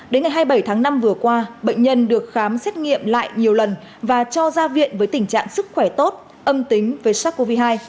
đến ngày hai mươi bảy tháng năm vừa qua bệnh nhân được khám xét nghiệm lại nhiều lần và cho ra viện với tình trạng sức khỏe tốt âm tính với sars cov hai